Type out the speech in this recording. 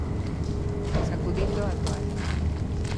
Sacudindo a toalla.